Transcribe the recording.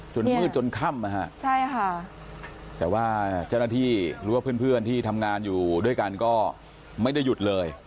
มืดจนค่ำนะฮะใช่ค่ะแต่ว่าเจ้าหน้าที่หรือว่าเพื่อนที่ทำงานอยู่ด้วยกันก็ไม่ได้หยุดเลย